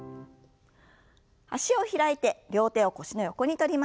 脚を開いて両手を腰の横に取りましょう。